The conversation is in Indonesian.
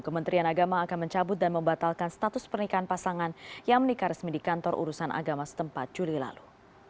kementerian agama akan mencabut dan membatalkan status pernikahan pasangan yang menikah resmi di kantor urusan agama setempat juli lalu